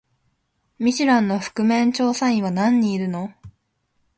ミシュランの覆面調査員は何人いるの？